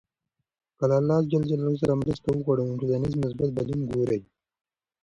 که له الله ج سره مرسته وغواړو، نو ټولنیز مثبت بدلون ګورﻱ.